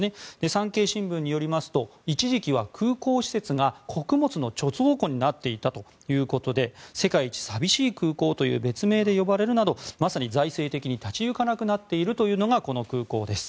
産経新聞によりますと一時期は空港施設が穀物の貯蔵庫になっていたということで世界一寂しい空港という別名で呼ばれるなどまさに財政的に立ち行かなくなっているのがこの空港です。